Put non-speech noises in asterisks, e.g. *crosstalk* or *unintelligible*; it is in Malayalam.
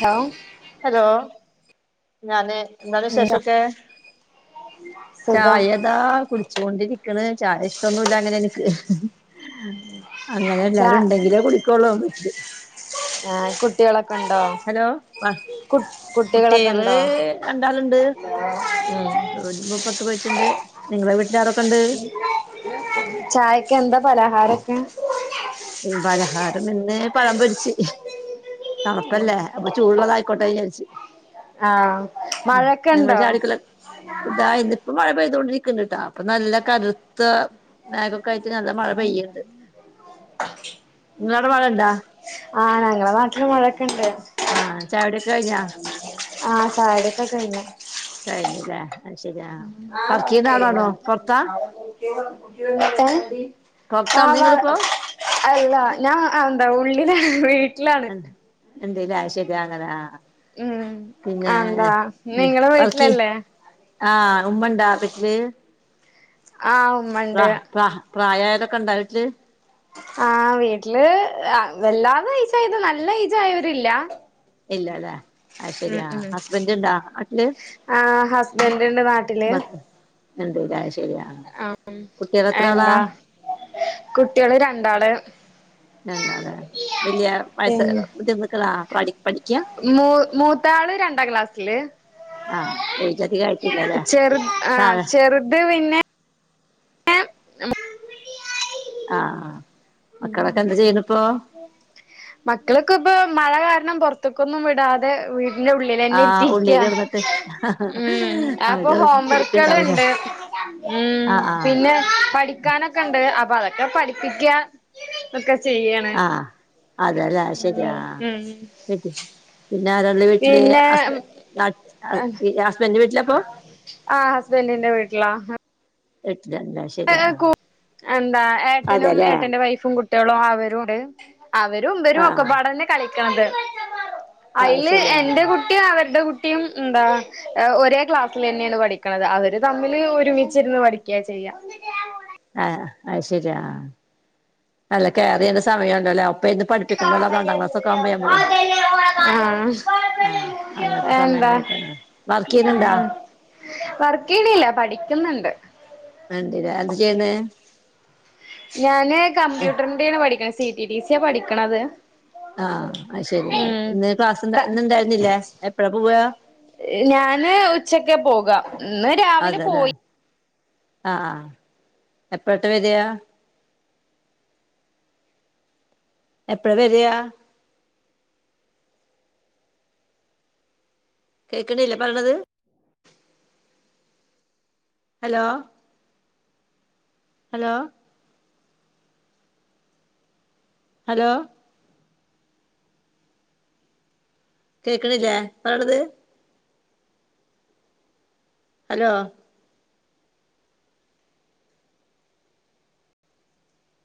ഹലോ ഹലോ ഞാന് എന്താണ് വിശേഷൊക്കെ സുഖം ചായ ഇതാ കുടിച്ചു കോ ണ്ടിരിക്ക്ണ് ചായ ഇഷ്ടൊന്നുല്ല അങ്ങനെ എനിക്ക് അങ്ങനെ ച എല്ലാരും ഉണ്ടെങ്കിലേ കുടിക്കോള്ളൂ ആഹ് കു കുട്ടിയേളൊക്കണ്ടോ ഹലോ ആഹ് കുട്ടിയേള് ഉണ്ടോ രണ്ടാാള്ണ്ട് ഉം ഓല് പ്പ പൊറത്ത് പോയിട്ടുണ്ട് നിങ്ങളെ വീട്ടില് ആരൊക്കെണ്ട് ചായക്ക് എന്താ പലഹാരൊക്കെ പലഹാരം ഇന്ന് പഴം പൊരിച്ച് തണുപ്പല്ലേ അ ചൂട്ള്ളതായിക്കോട്ടെ വിചാരിച്ച് ആഹ് നിങ്ങള് മഴൊക്കെണ്ടോ ചായുടിക്കല് ഇതാ ഇന്നിപ്പ മഴ പെയ്ത് കൊണ്ടിരിക്ക്ന്ന്ണ്ട്ട്ടാ അപ്പൊ നല്ല കറുത്ത മേഖൊക്കായിട്ട് നല്ല മഴ പെയ്യ്ണ്ട് ഇങ്ങളവിടെ മഴണ്ടാ ആഹ് ഞങ്ങളെ നാട്ടില് മഴെക്കെണ്ട് ആഹ് ചായുടിയൊക്കെ കഴിഞ്ഞാ ആഹ് ചായുടിക്കെ കഴിഞ്ഞു കഴിഞ്ഞിലേ അത് ശരിയാ ആഹ് പറക്കീന്നാളാണോ പൊറത്താ ഏഹ് പൊറത്താണോ ആഹ് നിങ്ങളിപ്പോ *unintelligible* അല്ല ഞാൻ എന്താ ഉള്ളിലാണ് വീട്ടില എന്തേലും ആവശ്യായിട്ട് അങ്ങനെ ആഹ് ഉം പിന്നെ എന്താ നിങ്ങളെ വർക്കി വീട്ടിലല്ലേ ആഹ് ഉമ്മണ്ടാ വീട്ടില്. ആ ഉമ്മ വ ഉണ്ട് വ വാഴ കള് അക്കൗണ്ട് അനക്ക് ആഹ് വീട്ടില് വല്ലാതെ ഏജ് നല്ല ഏ ജായവരില്ല ഇല്ലല്ലേ ആ ശരിയാ ഹസ്ബൻഡ് ഉണ്ടോ നാട്ടില്. ആ ഹസ്ബൻഡ് ഉണ്ട് നാട്ടില്. എന്തല്ല ശരിയാ ആ കുട്ടികൾ എത്ര ആളാ എന്താ കുട്ടികള് രണ്ടാള് അല്ല അല്ലേ വലിയ വയസായ പിന്നെ കുഞ്ഞുങ്ങള പഠിക്ക മൂ മൂത്താള് രണ്ടാം ക്ലാസ്സില്. ആഹ് ഏജ് അധികം ആയിട്ടില്ലാ ല്ലെ ചെറു ആഹ് ചെറുത് പിന്നെ ആഹ് മക്കളൊക്കെ എന്താ ചെയ്യുന്നിപ്പോ മക്കള്ക്കെ ഇപ്പൊ മഴ കാരണം പുറത്ത്ക്കൊന്നും വിടാതെ വീ ഇന്റെഉള്ളിൽ തന്നെ ആഹ് ഉള്ളി ഇരിത്തിരിക്ക കിടന്നിട്ട് ഉ അപ്പൊ അവര് ഹോം വർക്കുകൾ ഇരിക്കണ്ടാവൂലേ ഉണ്ട് ഉം ആഹ് ആഹ് പിന്നെ പഠി പഠിക്കാനൊക്കെ ഉണ്ട് അപ്പൊ അതൊക്കെ പഠിപ്പിക്കാ ഒക്കെ ചെയ്യയാണ് അതല്ലേ ശരിയാ ഉം വിട്ടി പിന്നെ ആരാള് വീട്ടില് പിന്നെ ഹസ്ബൻഡ് നാട്ടിലാ ആ ഹസ്ബൻറിന്റെ വീട്ടിലാ വിട്ടില എന്താ ഏട്ടനും അതെല്ലേ ഏട്ടൻ്റെ വൈഫും കുട്ടികളും അവരുട്. അവരും ഇവരും ആഹ് ഒക്കെപാട് തന്നെ കളിക്കണത് ആഹ് അതില് ശരി ആഹ് എന്റെ കുട്ടി ന്റെ കുട്ടിയ അവരുടെ കുട്ടിയും എന്താ ഒരേ ക്ലാസ്സിൽ തന്നെയാണ് പഠിക്കണത്. അവര് തമ്മില് ഒരുമിച്ചിരുന്ന് പഠിക്കുകയ ചെയ്യാം. ആഹ് അതു ശരിയാ അല്ല കേയറ് ഒരു സമയം ഉണ്ടല്ലോ അപ്പ ഇന്ന് പഠിപ്പ് ഠിക്ക രണ്ടാം ക്ലാസ് ഒക്കെ ആവുമ്പോ നമ്മള് ആഹ് ആഹ് അങ്ങനത്തെ എന്താ സമയങ്ങളായിട്ടാണ് വർക്ക് ചെയ്യുന്നുണ്ടോ? വർക്ക് ചെയ്യുനില്ല പഠിക്കുന്നുണ്ട്. എന്തിരാ ചെയ്യുന്നേ ഞാന് കമ്പ്യൂട്ടറിന്റെയണ് പഠിക്കണ സി ടി ടി സിയ പഠിക്കണത്. ആഹ് ആഹ് ശെരി ഇന്ന് ക്ലാസ് ഇ ഉം ഇണ്ടായിരുന്നില്ലേ എപ്പഴാ പോവ. ഞാന് ഉച്ചക്കെ പോകാം ഇന്ന് രാവിലെ പോയി. ആ ആ എപ്പോഴത്തെ വരിക എപ്പഴ വര കേൾക്കണില്ലേ പറഞ്ഞത്. ഹലോ? ഹലോ? ഹലോ? കേക്കണില്ലെ ആണത്. ഹലോ?